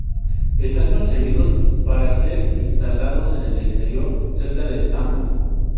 Están concebidos para ser instalados en el exterior, cerca del tambo.